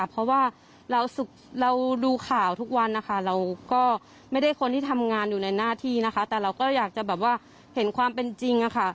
เพราะว่าเราดูข่าวทุกวันนะคะเราก็ไม่ได้คนที่ทำงานอยู่ในหน้าที่นะคะแต่เราก็อยากจะแบบว่าเห็นความเป็นจริงอะค่ะ